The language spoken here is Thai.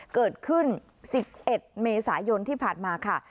เกิดขึ้น๑๑เมษายนที่ผ่านมาค่ะ